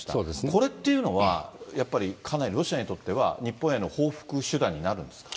これっていうのは、やっぱりかなりロシアにとっては、日本への報復手段になるんですか？